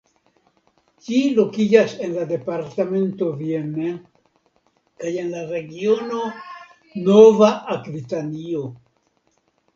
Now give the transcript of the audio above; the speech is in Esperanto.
Ĝi lokiĝas en la departemento Vienne kaj en la regiono Nova Akvitanio.